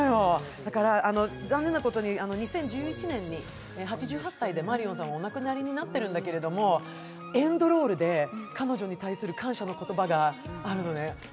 残念なことに２０１１年に８８歳でマリオンさんはお亡くなりになっているんだけれどもエンドロールで彼女に対する感謝の言葉があるのね。